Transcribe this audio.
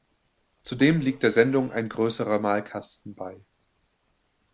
Zudem liegt der Sendung ein größerer Malkasten bei.